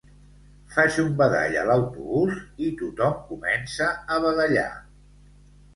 Faig un badall a l'autobús i tothom comença a badallar